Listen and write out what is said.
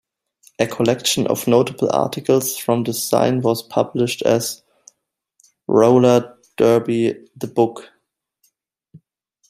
A collection of notable articles from the zine was published as "Rollerderby: The Book".